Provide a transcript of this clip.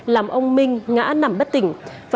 làm ông minh ngã nằm bất tỉnh